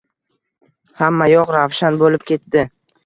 Hammayoq ravshan bo‘lib ketdi.